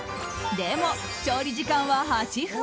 でも、調理時間は８分。